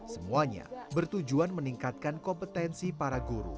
semuanya bertujuan meningkatkan kompetensi para guru